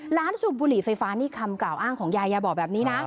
สูบบุหรี่ไฟฟ้านี่คำกล่าวอ้างของยายยายบอกแบบนี้นะ